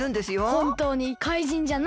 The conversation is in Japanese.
ほんとうにかいじんじゃないの？